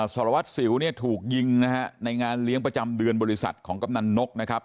สารวัตรสิวเนี่ยถูกยิงนะฮะในงานเลี้ยงประจำเดือนบริษัทของกำนันนกนะครับ